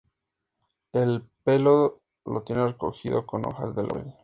El pelo lo tiene recogido con hojas de laurel.